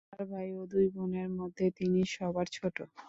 চার ভাই ও দুই বোনের মধ্যে তিনি সবার ছোট।